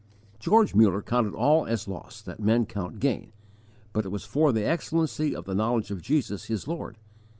George Muller counted all as loss that men count gain, but it was for the excellency of the knowledge of Jesus, his Lord.